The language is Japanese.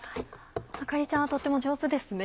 あかりちゃんはとっても上手ですね。